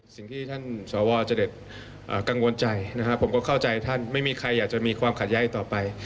สิ่งที่ท่านสวจดกังวลใจนะครับผมก็เข้าใจท่านไม่มีใครอยากจะมีความขัดแย้งต่อไป